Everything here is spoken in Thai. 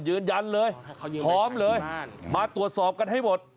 ยืนยันเลยพร้อมเลยมาตรวจสอบกันให้หมด